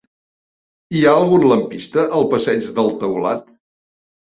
Hi ha algun lampista al passeig del Taulat?